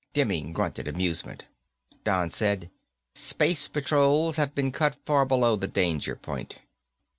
Demming grunted amusement. Don said, "Space patrols have been cut far below the danger point."